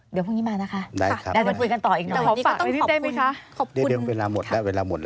เดี๋ยวพรุ่งนี้มานะคะ